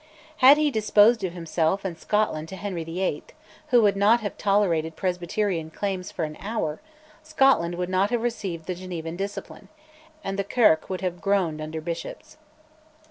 Had he disposed of himself and Scotland to Henry VIII. (who would not have tolerated Presbyterian claims for an hour), Scotland would not have received the Genevan discipline, and the Kirk would have groaned under bishops.